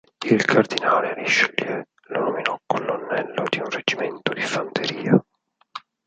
Il Cardinale Richelieu lo nominò colonnello di un reggimento di fanteria.